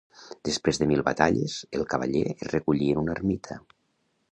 Després de mil batalles, el cavaller es recollí en una ermita.